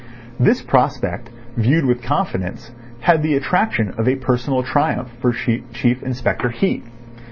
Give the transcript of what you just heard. This prospect, viewed with confidence, had the attraction of a personal triumph for Chief Inspector Heat.